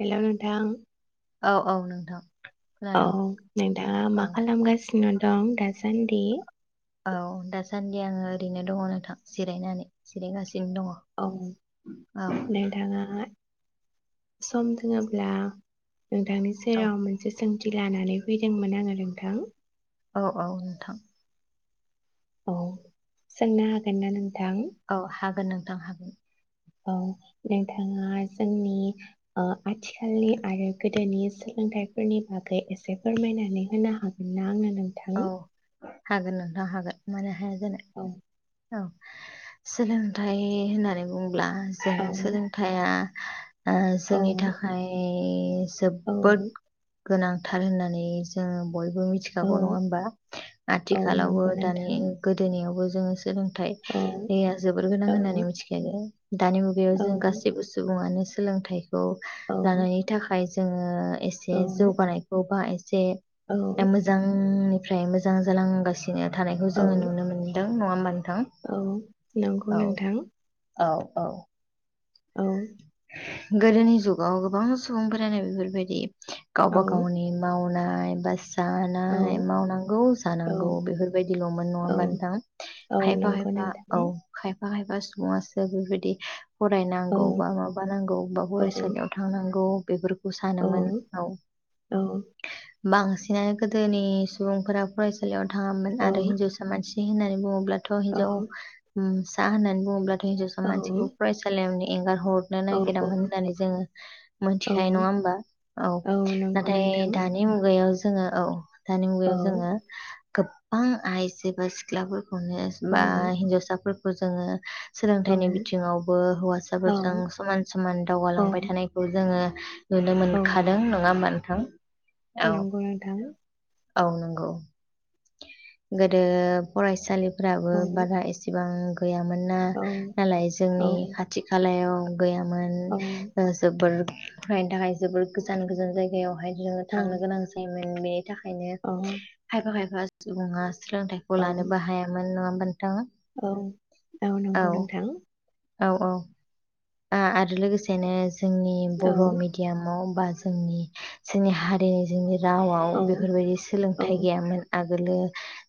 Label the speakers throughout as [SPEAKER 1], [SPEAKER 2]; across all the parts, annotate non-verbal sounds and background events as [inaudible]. [SPEAKER 1] Hello नोंथां
[SPEAKER 2] औ औ नोंथां
[SPEAKER 1] औ
[SPEAKER 2] खोनादों
[SPEAKER 1] नोंथाङा मा
[SPEAKER 2] औ
[SPEAKER 1] खालामगासिनो नोंथां दासान्दि
[SPEAKER 2] औ दासान्डि आङो ओरैनो दङ नोंथां जिरायनानै जिरायगासिनो
[SPEAKER 1] औ नोंथाङा सम दोंङोब्ला नोंथांनि
[SPEAKER 2] औ
[SPEAKER 1] सेराव मोनसे सोंथि लानानै फैदोंमोन आङो नोंथां
[SPEAKER 2] औ औ नोंथां
[SPEAKER 1] औ सोंनो हागोन ना नों
[SPEAKER 2] औ हागोन नों थां हागोन
[SPEAKER 1] औ नोंथाङा जोंनि ओ आथिखालनि आरो गोदोनि सोलोंथाइफोरनि बागै एसे फोरमायनानै होनो हागोन [unintelligible]
[SPEAKER 2] औ हागोन नोंथां हागोन माने हाया ज
[SPEAKER 1] औ
[SPEAKER 2] औ सोलोंथाइ होननानै बुं ब्ला जों
[SPEAKER 1] औ
[SPEAKER 2] सोलोंथाइया ओ
[SPEAKER 1] औ
[SPEAKER 2] जोंनि थाखाय [unintelligible]
[SPEAKER 1] औ
[SPEAKER 2] जोबोद गोनांथार होननानै जोङो बयबो मिथिगौ
[SPEAKER 1] औ
[SPEAKER 2] अ नंआ होमबा
[SPEAKER 1] औ
[SPEAKER 2] आथिखालावबो
[SPEAKER 1] नंगौ नोंथां
[SPEAKER 2] दानि गोदोनियावबो [unintelligible]
[SPEAKER 1] औ
[SPEAKER 2] सोलोंथाइया जोबोर गोनां
[SPEAKER 1] औ
[SPEAKER 2] होननानै मिथिखायो दानि मुगायाव जों
[SPEAKER 1] औ
[SPEAKER 2] गासैबो सुबुङानो सोलोंथाइ औ लानायनि थाखाय जोङो
[SPEAKER 1] औ
[SPEAKER 2] एसे जौगानायखौ बा एसे [unintelligible] [unintelligible]
[SPEAKER 1] औ
[SPEAKER 2] फ्राय मोजां जालांगासिनो [unintelligible] थानायखौ
[SPEAKER 1] औ
[SPEAKER 2] जोङो नुनो मोन्दों [unintelligible]
[SPEAKER 1] औ नंगौ नोंथां
[SPEAKER 2] औ औ
[SPEAKER 1] औ
[SPEAKER 2] गोदोनि जुगाव गोबां सुबुंफोरानो बेफोरबायदि
[SPEAKER 1] औ
[SPEAKER 2] गावबा गावनि मावाना बाय बास
[SPEAKER 1] औ
[SPEAKER 2] जानाय मावनांगौ
[SPEAKER 1] औ
[SPEAKER 2] जानांगौ बेफोरबायदिलमोन नङा
[SPEAKER 1] औ
[SPEAKER 2] ओमबा नोंथां
[SPEAKER 1] औ
[SPEAKER 2] खायफा
[SPEAKER 1] नंगौ
[SPEAKER 2] खायफा औ
[SPEAKER 1] नोंथां
[SPEAKER 2] खायफा बाहायबा सुबुंङासो बेफोरबायदि फरायना
[SPEAKER 1] औ
[SPEAKER 2] गौ बा माबा नांगौ बा
[SPEAKER 1] औ
[SPEAKER 2] फरायसालियाव थांनांगौ। बेफोर खौ
[SPEAKER 1] औ
[SPEAKER 2] सानोमोन औ
[SPEAKER 1] औ
[SPEAKER 2] बांसिनानो गोदोनि सुबुंफोरा फरायसालियाव थाङामोन
[SPEAKER 1] औ
[SPEAKER 2] आरो हिनजावसा मानसि होननानै बुङोब्लाद थ
[SPEAKER 1] औ
[SPEAKER 2] हिन्जाव उम ना होनना बुङोब्लाद हिन्जावसा मानसिखौ फरायसालियाव एंगार हरनो
[SPEAKER 1] औ
[SPEAKER 2] नागिरामोन होननानै जोङो मोनथिखायो नङा ओमबा औ
[SPEAKER 1] नंगौ
[SPEAKER 2] नाथाय
[SPEAKER 1] नोंथां औ औ
[SPEAKER 2] दानि मुगायाव जोङो औ दानि मुगायाव जोङो गोबां आइजो बा सिख्लाफोर खौनोस मा हिन्जावसाफोर खौ जोङो सोलोंथाइनि
[SPEAKER 1] औ औ
[SPEAKER 2] बिथिंआवबो हौवास
[SPEAKER 1] औ
[SPEAKER 2] फोरजों समान समान दावगालांबाय थानायखौ जों जोङो नुनो
[SPEAKER 1] औ
[SPEAKER 2] मोनखादों नङा ओमबा? थां
[SPEAKER 1] नंगौ नोंथां।
[SPEAKER 2] औ नंगौ गोदो फरायसालिफ फोराबो
[SPEAKER 1] औ
[SPEAKER 2] बारा एसेबां मोना
[SPEAKER 1] औ
[SPEAKER 2] नालाय जोंनि खाथ एव गैयामोन ओ जोबोर फरायनो थाखाय जोबोद गोजान गोजान जायगायाव बेहाय जों
[SPEAKER 1] औ
[SPEAKER 2] थांनो गोनां जायोमोन। [unintelligible] थाखायनो
[SPEAKER 1] औ
[SPEAKER 2] खायफा खायफा सुबुआस सोलोंथाइखौ लानोबो हायामोन नङा होनबा?
[SPEAKER 1] औ औ नंगौ नोंथां।
[SPEAKER 2] औ औ आरो आ लोगोसेनो जोंनि
[SPEAKER 1] औ
[SPEAKER 2] बर' मिडियामाव बा जोंनि जोंनि हारिनि जोंनि रावआव
[SPEAKER 1] औ
[SPEAKER 2] बेफोरबायदि
[SPEAKER 1] औ
[SPEAKER 2] सोलोंथाइ गैयामोन आगोलो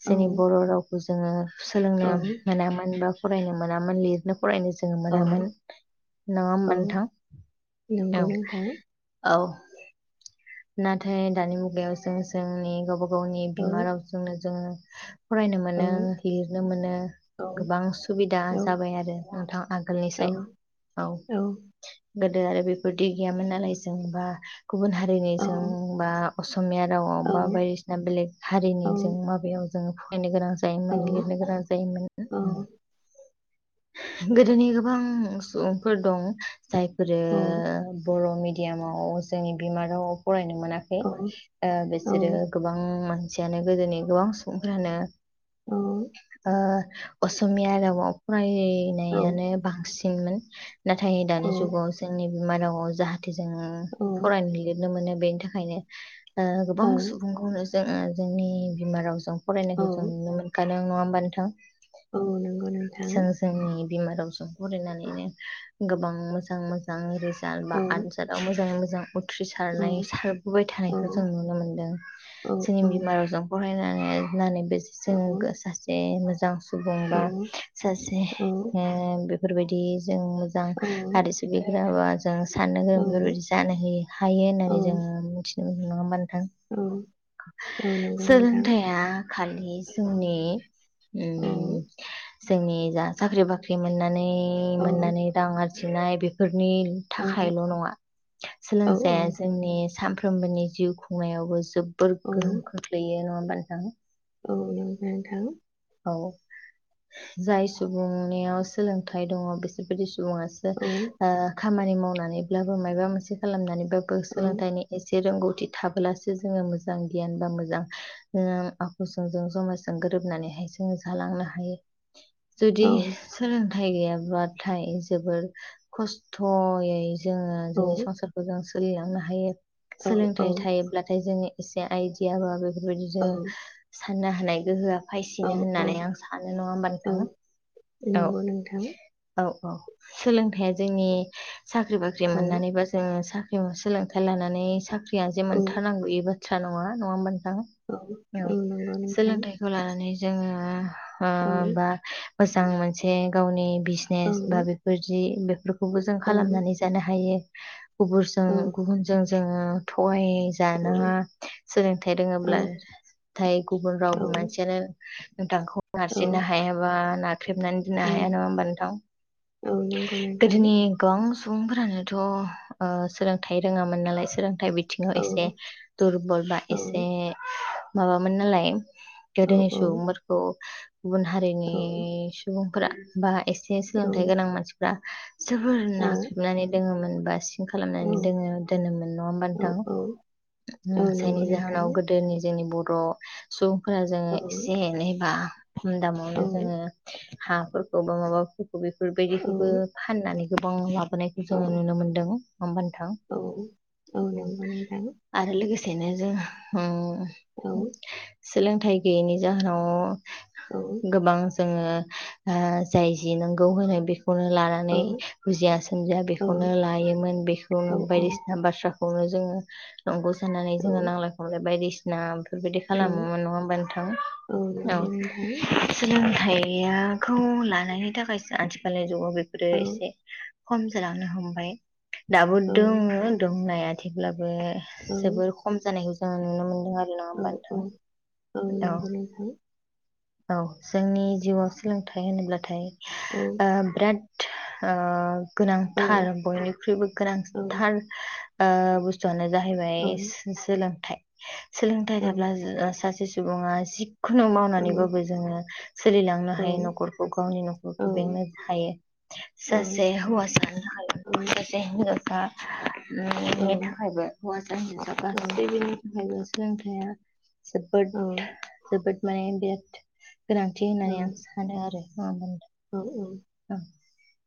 [SPEAKER 1] औ
[SPEAKER 2] जोंनि बर' रावखौ जोङो
[SPEAKER 1] औ
[SPEAKER 2] सोलोंनो मोनामोन बा फरायनो मोनामोन लिरनो फरायनो जोङो
[SPEAKER 1] औ
[SPEAKER 2] मोनामोन। नङा
[SPEAKER 1] औ
[SPEAKER 2] होनबा नोंथां औ।
[SPEAKER 1] नंगौ नोंथां
[SPEAKER 2] औ नाथाय दानि मुगायाव सों जोंनि गाबा गावनि
[SPEAKER 1] औ
[SPEAKER 2] बिमा रावजोंनो जोङो [inaudible] फरायनो
[SPEAKER 1] औ
[SPEAKER 2] मोनो लिरनो मोनो
[SPEAKER 1] औ
[SPEAKER 2] गोबां सुबिदा
[SPEAKER 1] औ
[SPEAKER 2] जाबाय आरो नोंथां
[SPEAKER 1] औ
[SPEAKER 2] आगोलनिसाय औ। गोदो आरो बेफोरदि गैयामोन नालाय जों बा गुबुन हारि
[SPEAKER 1] औ
[SPEAKER 2] जोंबा असमिया रावाव
[SPEAKER 1] औ
[SPEAKER 2] बा बायदिसिना बेलेग हारिनि
[SPEAKER 1] औ
[SPEAKER 2] जों माबायाव जों फरायनो गोनां जायोमोन लिरनो गोनां जायोमोन।
[SPEAKER 1] औ
[SPEAKER 2] गोदोनि गोबां सुबुंफोर दं। जायफोरो बर' मिड डियामाव जोंनि बिमा रावआव फरायनो मोनाखै ओ
[SPEAKER 1] औ
[SPEAKER 2] बिसोरो गोबां थियानो गोदोनि गोबां सुबुंफ्रानो ओ असमिया रावाव फराय
[SPEAKER 1] औ
[SPEAKER 2] हैनायानो बांसिन मोन नाथाय दानि जुगाव जोंनि बिमा रावाव जाहा थे जों फरायनो लिरनो मोनो। बेनि थाखायनो ओ गोबां सुबुंखौनो जोङो जोंनि बिमा रावजों
[SPEAKER 1] औ
[SPEAKER 2] फरायनायखौ जों नुनो मोनखा नो नङा होमबा नोंथां
[SPEAKER 1] औ नंगौ नोंथां
[SPEAKER 2] जों जोंनि बिमा रावजों फरायनानैनो गोबां मोजां मोजां
[SPEAKER 1] औ
[SPEAKER 2] [unintelligible] आजादआव मोजां [unintelligible] [unintelligible] थ्रि
[SPEAKER 1] औ
[SPEAKER 2] सारनाय सारबोबाय
[SPEAKER 1] औ
[SPEAKER 2] थानायखौ जों नुनो मोनदों
[SPEAKER 1] औ औ औ
[SPEAKER 2] जोंनि बिमा रावजों फरायनानै [unintelligible] जों गो सासे मो जां सुबुंबा सासे ओ बे फोरबायदि जों मोजां
[SPEAKER 1] औ
[SPEAKER 2] आरो [unintelligible] [unintelligible] जों साननो गोरों बेफोरबायदि जानो हो हायो
[SPEAKER 1] औ
[SPEAKER 2] होननानै जोङो मिथि [unintelligible] थां
[SPEAKER 1] नंगौ नोंथां
[SPEAKER 2] सोलोंथाइया खालि जोंनि
[SPEAKER 1] औ
[SPEAKER 2] उम जोंनि जा साख्रि बाख्रि मोननानै मोननानै
[SPEAKER 1] औ
[SPEAKER 2] रां आरजिनो मिथिनाय बेफोर नि थाखायल' नङा
[SPEAKER 1] औ
[SPEAKER 2] सोंलोंसाया जोंनि सानफ्रोमबोनि जिउ खुंनायावबो जोबो र
[SPEAKER 1] औ औ
[SPEAKER 2] गोहोम खोख्लैयो नङा हो मबा [unintelligible]
[SPEAKER 1] औ नंगौ नोंथां
[SPEAKER 2] औ जाय सुबुंनियाव सोलोंथाइ दङ बिसोरबायदि सु बुंजायो
[SPEAKER 1] औ
[SPEAKER 2] ओ खामानि मावनानैब्लाबो मायाबा मोनसे खालामनानै बाबो सोलोंथाइनि एसे रोंगौ थि थाब्लासो जोङो मोजां गियान बा मोजां ओम आखुजोंजों समाजजों गोरोबनानैहाय जों जालांनो हायो। जुदि
[SPEAKER 1] औ
[SPEAKER 2] सोलों थाइ गैयाब्लाथाय जोबोद खस्थ'यै जोङो
[SPEAKER 1] औ
[SPEAKER 2] जोंनि संसारखौ जों सोलिरि लांनो हायो।
[SPEAKER 1] औ औ
[SPEAKER 2] सोलोंथाइ थायोब्लाथाय जोंनि एसे आयदिया बाबै बे बायदिनो
[SPEAKER 1] औ
[SPEAKER 2] साननो हानाय गोहोआ फायो
[SPEAKER 1] औ औ
[SPEAKER 2] होननानै आं सानो नंङा होमबा
[SPEAKER 1] औ
[SPEAKER 2] नोंथांङा औ
[SPEAKER 1] नंगौ नोंथां
[SPEAKER 2] औ औ सोलोंथाइया जोंनि साख्रि बाख्रि
[SPEAKER 1] औ
[SPEAKER 2] मोननानैबा जोङो सा ओम सोलोंथाइ लानानै साख्रि फैयाजे
[SPEAKER 1] औ
[SPEAKER 2] मोनथारनांगौ एबो खोथा नङा नङा होनबा नोंथां
[SPEAKER 1] औ
[SPEAKER 2] औ
[SPEAKER 1] नंगौ नोंथां
[SPEAKER 2] सोलोंथखौ लानानै जोङो हो
[SPEAKER 1] औ
[SPEAKER 2] बा मोजां मोनसे गावनि
[SPEAKER 1] औ
[SPEAKER 2] बिजिनेस बा बेफोर जि बेफोर खौबो जों
[SPEAKER 1] औ
[SPEAKER 2] खालामनानै जानो हायो।
[SPEAKER 1] औ
[SPEAKER 2] [unintelligible] गुबुन जों जोङो थगाय
[SPEAKER 1] औ
[SPEAKER 2] जानांङा सोलोंथाइ
[SPEAKER 1] औ
[SPEAKER 2] रोंङोब्लाथायथाय गुबुन रावबो मानसियानो [inaudible] नोंथांखौ
[SPEAKER 1] औ
[SPEAKER 2] नारसिननो हायाबा ना खेबनानै दोननो हाया नङा होमबा नोंथां?
[SPEAKER 1] औ नंगौ नोंथां
[SPEAKER 2] गोदोनि गोबां स सुबुंफोरानोथ' ओ सोलोंथाइ रोंङामोन नालाय सो हाइ
[SPEAKER 1] औ
[SPEAKER 2] बिथिंङाव एसे दुरबल बा
[SPEAKER 1] औ
[SPEAKER 2] एसे माबामोन नालाय
[SPEAKER 1] औ औ
[SPEAKER 2] औ गुबुन हारिनि सुबुं फोरा बा एस एसे सोलोंथाइ गोनां मानसिफ्रा जोबोर
[SPEAKER 1] औ
[SPEAKER 2] नाख्रेबनानै दोङोमोन। बास
[SPEAKER 1] औ
[SPEAKER 2] खालामनानै दोङो दोनोमोन नङा होमबा नोंथां ओ
[SPEAKER 1] औ नंगौ
[SPEAKER 2] जायनि
[SPEAKER 1] नोंथां
[SPEAKER 2] जाहोनाव गोदोनि जोंनि बर' र सुबुंफोरा जे
[SPEAKER 1] औ
[SPEAKER 2] एसेे एनै बा खम दामावनो
[SPEAKER 1] औ
[SPEAKER 2] जोङो हा फोरखौ बा माबा बेफोरबायदिखौबो फाननानै गोबां लाब होनायखौ जोङो
[SPEAKER 1] औ
[SPEAKER 2] नुनो मोनदों। हमबा नोथां औ आरो लोगोस बिनो जों ह
[SPEAKER 1] औ
[SPEAKER 2] [unintelligible] सोलोंथाइ गैयैनि जाहोनाव
[SPEAKER 1] औ
[SPEAKER 2] गोबां जोङो ओ जाय जि नांगौ होनो बे बेखौनो
[SPEAKER 1] औ
[SPEAKER 2] लानानै बुजिया सोमजिया बेखौनो लायोमोन
[SPEAKER 1] औ
[SPEAKER 2] बेखौनो बायदिसिना बाथ्रा खौनो जोङो नंगौ सानानानै
[SPEAKER 1] औ
[SPEAKER 2] जोङो नांलाय खमलाय बायदिसि नाम बेफोरबायदि
[SPEAKER 1] औ
[SPEAKER 2] खालामोमोन नङा होमबानो थां औ
[SPEAKER 1] नंगौ नोंथां
[SPEAKER 2] सोलों सोलोंथायाखौ लानायनि थाखाय आथिखालनि जुगाव बेफोरो
[SPEAKER 1] औ
[SPEAKER 2] एसे खम जालांनो हमबाय दाबो
[SPEAKER 1] औ
[SPEAKER 2] दङ दंनाया थेवलाबो बो
[SPEAKER 1] औ
[SPEAKER 2] जोबोर खम जानाय जों नुनो मोन जोंहा नङा
[SPEAKER 1] औ
[SPEAKER 2] होनबा
[SPEAKER 1] औ
[SPEAKER 2] नोंथां
[SPEAKER 1] औ नंगौ नोंथां
[SPEAKER 2] औ जोंनि जिवाव सोलोंथाइ होनोब्लाथाय
[SPEAKER 1] औ
[SPEAKER 2] ओ बिराद ओ
[SPEAKER 1] औ औ
[SPEAKER 2] गोनांथार बयनिख्रुइबो
[SPEAKER 1] औ
[SPEAKER 2] गोनांथार ओ बुस्थुयानो जाहैबाय
[SPEAKER 1] औ
[SPEAKER 2] सो सोलोंथाइ सोलोंथाइ थाब्ला सासे सु सुबुङा जिख खुनु मावनानै
[SPEAKER 1] औ
[SPEAKER 2] बोब बो जोङो सोलिलांनो हायो न'खरखौ गावनि
[SPEAKER 1] औ
[SPEAKER 2] न'खरखौ बेंनो हायो
[SPEAKER 1] औ
[SPEAKER 2] सासे हौवा सानो हायो
[SPEAKER 1] औ
[SPEAKER 2] सासे हिनजाव दा उम नि थाखायबो हौवासा हिनजावसा गासैनिबो थाखायबो रोंथाया जोबोद जोबोद माने बिराद गोनांथि होननानै आं सानो आरो हागोन
[SPEAKER 1] औ औ
[SPEAKER 2] ओ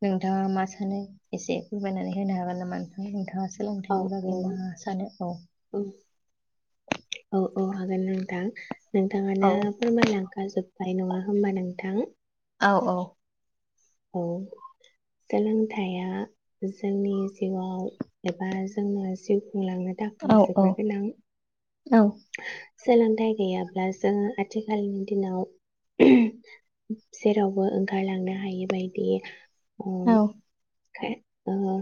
[SPEAKER 2] नोंथाङा मा सानो एसे फोरमायनानै होनो हागोन नामा नोंथां नोंथाङा सान सोलोंथाइनि बागै मा मा सानो औ
[SPEAKER 1] अ हागोन नोंथां नोंथाङानो
[SPEAKER 2] औ
[SPEAKER 1] फोरमाय लांखाजोब ओमफाय नङा होमबा नोंथां?
[SPEAKER 2] औ औ
[SPEAKER 1] औ सोलोंथाइया जोंनि जिउआव एबा जोंनो जिउ खुंलांनो
[SPEAKER 2] औ
[SPEAKER 1] थाखाय
[SPEAKER 2] औ
[SPEAKER 1] जोबोर गोनां
[SPEAKER 2] औ
[SPEAKER 1] सोलोंथाइ गैयाब्ला जोङो आथिखालनि दिनाव जेरावबो ओंखारलांनो हायो बायदि औ कार ओ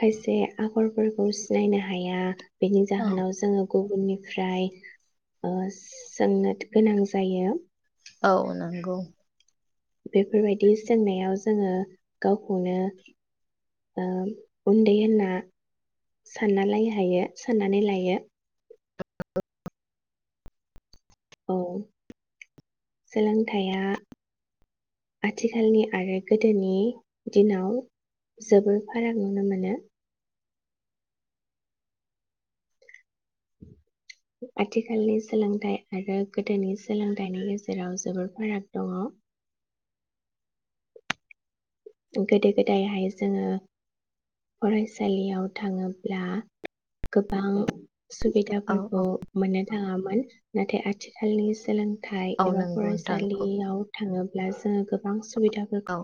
[SPEAKER 1] खायसे आखरफोरखौ सिनायनो हाया बेनि
[SPEAKER 2] औ
[SPEAKER 1] जाहोनाव जोङो गुबुननि ओमफ्राय ओ सोंनो गोनां जायो
[SPEAKER 2] औ नंगौ
[SPEAKER 1] बेफोरबायदि सोंनायाव जोङो गावखौनो ओ उन्दै होनना सानना लाय हायो सोनानै लायो
[SPEAKER 2] [unintelligible]
[SPEAKER 1] औ सोलोंथाइया आथिखालनि आरो गोदोनि दिनाव जोबोर फाराग नुनो मोनो आथिखालनि सोलोंथाइ आरो गोदोनि सोलोंथाइनि गेजेराव जोबोर फाराग दङ' गोदो गोदायहाय जोङो फरायसालियाव थाङोब्ला गोबां
[SPEAKER 2] औ औ
[SPEAKER 1] सुबिदाफोरखौ मोननो थाङामोन नाथाय आथिखालनि सोलोंथाइ
[SPEAKER 2] औ
[SPEAKER 1] एबा
[SPEAKER 2] नंगौ नोंथां नंगौ
[SPEAKER 1] फरायसालियाव थाङो ब्ला जोङो गोब बां
[SPEAKER 2] औ
[SPEAKER 1] सुबिदाफोरखौ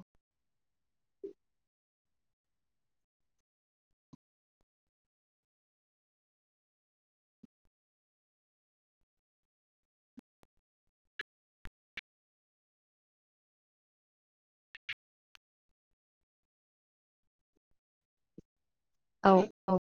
[SPEAKER 2] औ औ